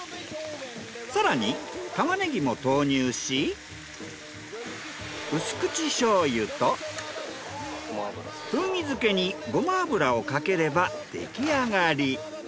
更にタマネギも投入し薄口醤油と風味づけにごま油をかければ出来上がり。